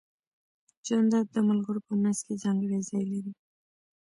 جانداد د ملګرو په منځ کې ځانګړی ځای لري.